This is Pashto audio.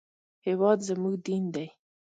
هېواد زموږ دین دی